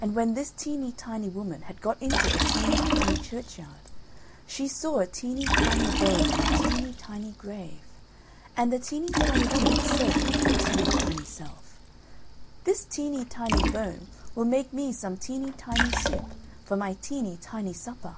And when this teeny tiny woman had got into the teeny tiny churchyard, she saw a teeny tiny bone on a teeny tiny grave, and the teeny tiny woman said to her teeny tiny self, "This teeny tiny bone will make me some teeny tiny soup for my teeny tiny supper."